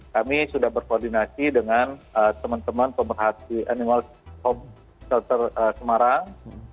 kami sudah berkoordinasi dengan teman teman pemerhati annual home shelter semarang